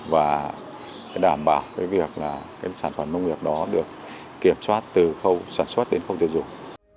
và đảm bảo cái việc là cái sản phẩm nông nghiệp đó được kiểm soát từ khâu sản xuất đến khâu tiêu dùng